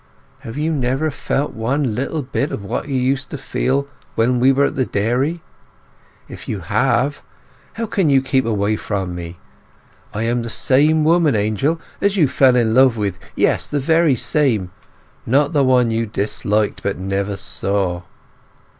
Have you never felt one little bit of what you used to feel when we were at the dairy? If you have, how can you keep away from me? I am the same woman, Angel, as you fell in love with; yes, the very same!—not the one you disliked but never saw.